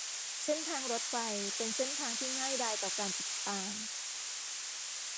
เส้นทางรถไฟเป็นเส้นทางที่ง่ายดายต่อการติดตาม